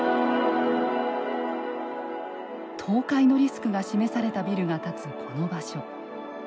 倒壊のリスクが示されたビルが立つ、この場所。